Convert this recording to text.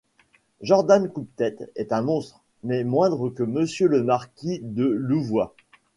Jourdan-Coupe-Tête est un monstre, mais moindre que Monsieur le marquis de Louvois.